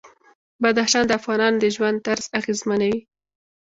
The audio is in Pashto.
بدخشان د افغانانو د ژوند طرز اغېزمنوي.